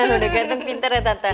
udah ganteng pinter ya tata